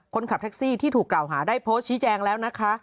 คนขับแท็กซี่ที่ถูกกล่าวหาได้โพสต์ชี้แจงแล้วนะคะ